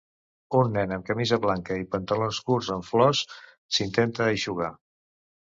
Un nen amb camisa blanca i pantalons curts amb flors s'intenta eixugar.